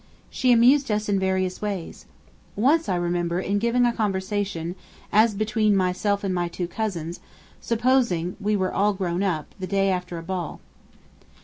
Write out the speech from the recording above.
She amused us in various ways. Once, I remember, in giving a conversation as between myself and my two cousins, supposing we were all grown up, the day after a ball.'